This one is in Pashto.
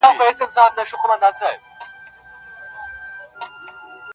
زما د زړه سپینه کعبه کي ستا د خُسن خیال اِمام دی,